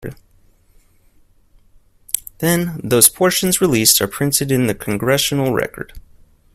Then, those portions released are printed in the Congressional Record.